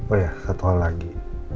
oh ya satu hal lagi